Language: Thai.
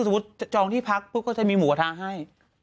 พี่พักพูดว่าจะมีหมูกระทะให้